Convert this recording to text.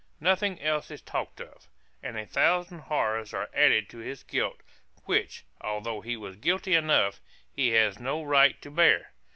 Nothing else is talked of; and a thousand horrors are added to his guilt, which, although he was guilty enough, he has no right to bear.